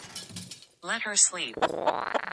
Let her sleep.